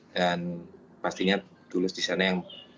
dan pastinya tulus di sana yang berharga